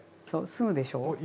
そうすぐでしょう？